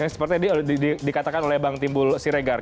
seperti yang dikatakan oleh bang timbul siregar